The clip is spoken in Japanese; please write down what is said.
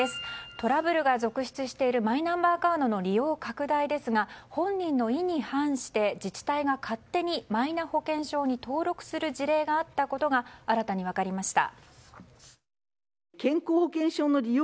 トラブルが続出しているマイナンバーカードの利用拡大ですが本人の意に反して自治体が勝手にマイナ保険証に登録する事例があったことが新たに分かりました。